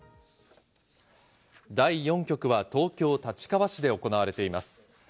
第４局は東京・立川市で行われています。